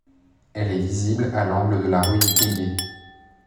Elle est visible à l’angle de la rue du Figuier.